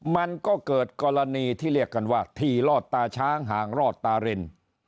มันก็เกิดกรณีที่เรียกกันว่าทีรอดตาช้างห่างรอดตาริน